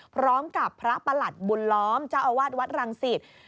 พร้อมกับพระประหลัดบุญล้อมเจ้าอาวาสวัดรังสิต